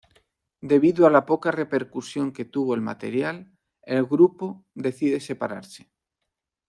Debido a la poca repercusión que tuvo el material; el grupo decide separarse.